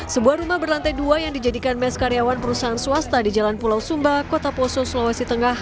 sebuah rumah berlantai dua yang dijadikan mes karyawan perusahaan swasta di jalan pulau sumba kota poso sulawesi tengah